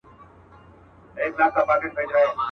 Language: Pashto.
پروت پر ګیله منو پېغلو شونډو پېزوان څه ویل.